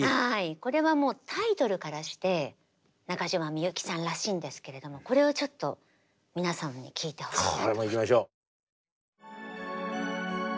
これはもうタイトルからして中島みゆきさんらしいんですけれどもこれをちょっと皆さんに聴いてほしいなと。